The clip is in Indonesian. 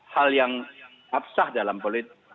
hal yang absah dalam politik